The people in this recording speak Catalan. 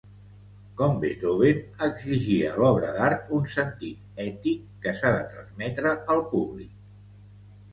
Com Beethoven, exigia a l'obra d'art un sentit ètic que s'ha de transmetre al públic.